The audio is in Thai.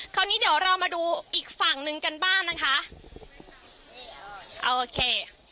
คราวนี้เดี๋ยวเรามาดูอีกฝั่งหนึ่งกันบ้างนะคะโอเค